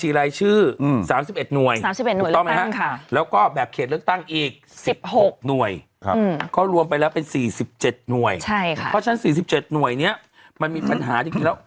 เพราะฉะนั้น๔๗หน่วยนี้มันมีปัญหาจริงแล้ว